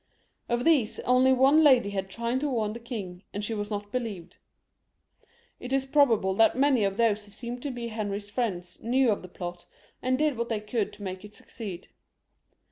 Of these only one lady had tried to warn the king, and she was not be lieved. It is probable that many of those who seemed to be Henry's friends knew of the plot, and did what they could to make it succeed.